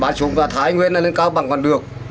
bán trồng và thái nguyên lên cao bằng còn được